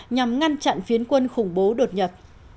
nhằm ngăn chặn phiến quân khủng bố đột nhập